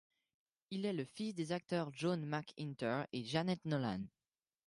Il est le fils des acteurs John McIntire et Jeanette Nolan.